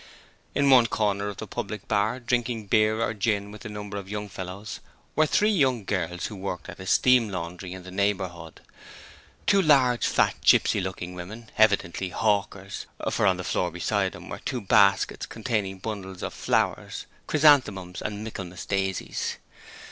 In one corner of the public bar, drinking beer or gin with a number of young fellows, were three young girls who worked at a steam laundry in the neighbourhood. Two large, fat, gipsy looking women: evidently hawkers, for on the floor beside them were two baskets containing bundles of flowers chrysanthemums and Michaelmas daisies.